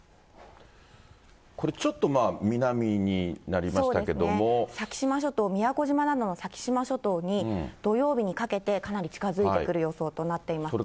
これ、ちょっとまあ、先島諸島、宮古島などの先島諸島に、土曜日にかけてかなり近づいてくる予想となっています。